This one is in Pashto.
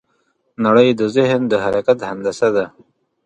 نړۍ د ذهن د حرکت هندسه ده.